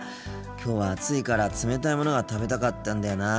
きょうは暑いから冷たいものが食べたかったんだよな。